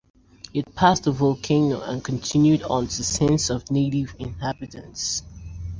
It passed a volcano and continued on to scenes of native inhabitants.